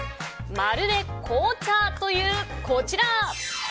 まるで紅茶というこちら。